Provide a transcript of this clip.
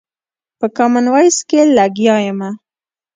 په کامن وايس کښې لګيا ىمه